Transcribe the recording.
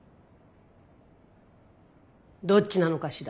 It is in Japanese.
どっちなのかしら。